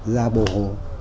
ra bồ hồ